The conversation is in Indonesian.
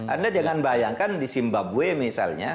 anda jangan bayangkan di simbabwe misalnya